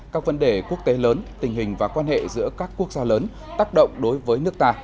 các vấn đề quốc tế lớn tình hình và quan hệ giữa các quốc gia lớn tác động đối với nước ta